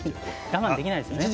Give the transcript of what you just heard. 我慢できないですよね。